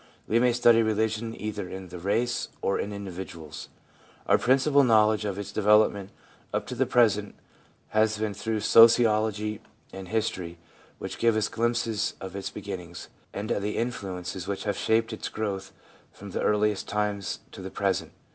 We may study religion either in the race or in individuals. Our principal knowledge of its development up to the present has been through soci ology and history, which give us glimpses of its beginnings and of the influences which have shaped its growth from the earliest times to the present.